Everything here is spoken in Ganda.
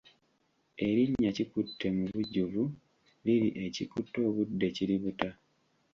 Erinnya Kikutte mubujjuvu liri Ekikutte obudde kiributa.